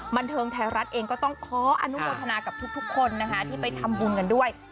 บันเทิงไทยรัฐเองก็ต้องขออนุโมทนากับทุกคนนะคะที่ไปทำบุญกันด้วย